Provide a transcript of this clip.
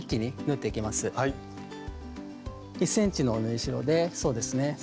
１ｃｍの縫い代でそうですね